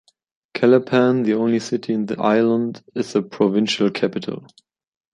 Calapan, the only city in the island, is the provincial capital.